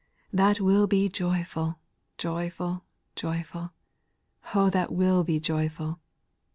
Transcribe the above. O that will be joyful, joyful, joyful, O that will be joyful